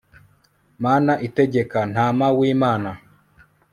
mana itegeka, ntama w'imana